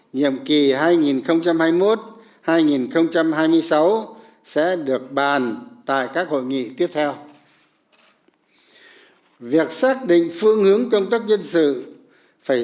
nhiệm kỳ hai nghìn hai mươi một hai nghìn hai mươi sáu